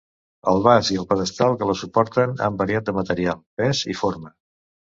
El vas i el pedestal que la suporten han variat de material, pes i forma.